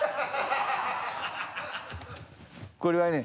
これはね